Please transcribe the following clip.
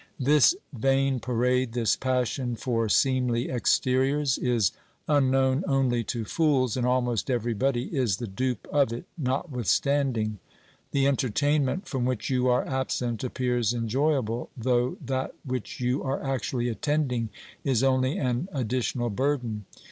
This vain parade, this passion for seemly exteriors, is unknown only to fools, and almost everybody is the dupe of it notwithstanding. The entertainment from which you are absent appears enjoyable, though that which you are actually attending is only an additional burden.